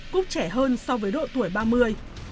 cúc trẻ hơn so với độ tuổi ba mươi